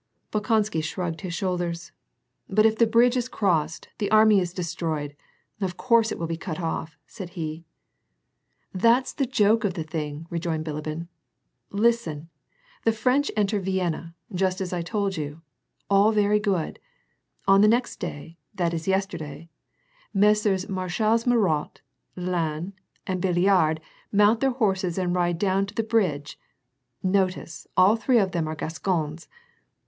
Bolkousky shrugged his shoulders. " But if the bridge is crossed, the army is destroyed ; of course it will be cut off," said he. "That's the joke of the thing," rejoined Bilibin. "Listen ! The French enter Vienna, just as I told you. All very good. On the next day, — that is yesterday, — Messrs. Marshals Murat, Lannes and Belliard mount their horses and ride down to the bridge (notice, all three of them are Gascons).